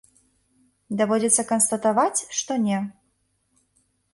Даводзіцца канстатаваць, што не.